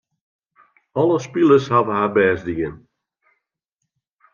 Alle spilers hawwe har bêst dien.